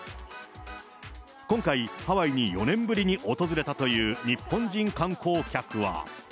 今回、ハワイに４年ぶりに訪れたという日本人観光客は。